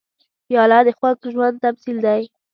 پیاله د خوږ ژوند تمثیل دی.